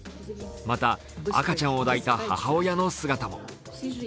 また赤ちゃんを抱いた母親の姿も。